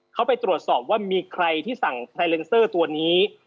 เขาไปตรวจสอบว่ามีใครที่สั่งไทเลนเซอร์ตัวนี้